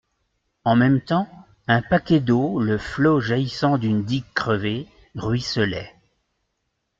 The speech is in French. En même temps, un paquet d'eau, le flot jaillissant d'une digue crevée, ruisselait.